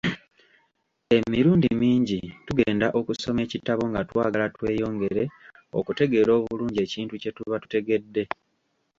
Emirundi mingi tugenda okusoma ekitabo nga twagala tweyongere okutegeera obulungi ekintu kye tuba tetutegedde.